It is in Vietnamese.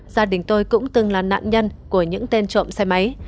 gia đình tôi cũng từng là nạn nhân của những tên trộm xe máy